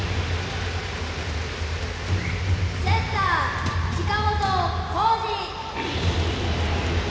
センター、近本光司。